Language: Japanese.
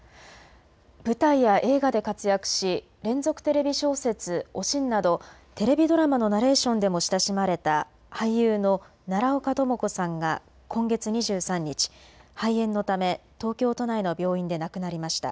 舞台や映画で活躍し連続テレビ小説、おしんなどテレビドラマのナレーションでも親しまれた俳優の奈良岡朋子さんが今月２３日、肺炎のため東京都内の病院で亡くなりました。